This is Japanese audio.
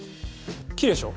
きれいでしょ？